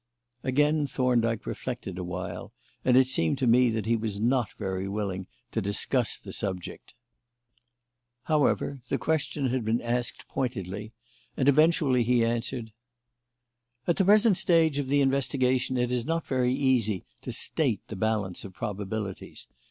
Again Thorndyke reflected awhile, and it seemed to me that he was not very willing to discuss the subject. However, the question had been asked pointedly, and eventually he answered: "At the present stage of the investigation it is not very easy to state the balance of probabilities.